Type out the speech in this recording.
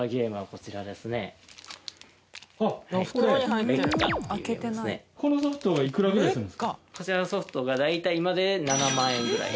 こちらのソフトが大体今で７万円ぐらい。